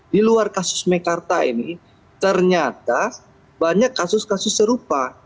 di luar kasus mekarta ini ternyata banyak kasus kasus serupa